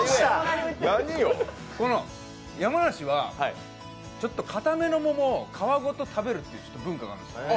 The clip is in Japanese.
山梨はちょっと硬めの桃を皮ごと食べるっていう文化があるんです。